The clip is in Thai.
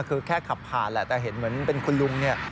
คือแค่ขับผ่านแหละแต่เห็นเหมือนเป็นคุณลุงเนี่ย